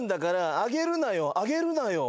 あげるなよ。